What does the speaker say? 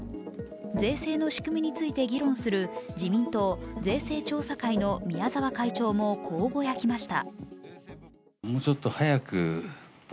税制の仕組みについて議論する自民党・税制調査会の宮沢会長もこうぼやきました。